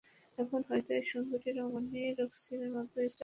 এখন হয়তো এই সুন্দরী রমণী রক্সির মতো স্টাইল করতে পারবেন।